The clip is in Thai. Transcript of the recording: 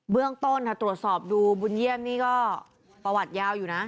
เรื่องต้นถ้าตรวจสอบดูบุญเยี่ยมนี่ก็ประวัติยาวอยู่นะ